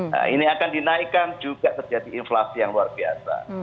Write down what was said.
nah ini akan dinaikkan juga terjadi inflasi yang luar biasa